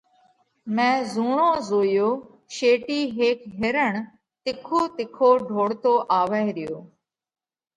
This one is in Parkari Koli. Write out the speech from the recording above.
مئين رُوڙون زويو شيٽِي هيڪ هرڻ تِکو تِکو ڍوڙتو آوئه ريو۔